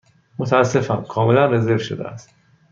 متأسفم، کاملا رزرو شده است.